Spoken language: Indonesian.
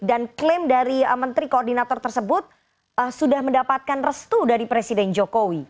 dan klaim dari menteri koordinator tersebut sudah mendapatkan restu dari presiden jokowi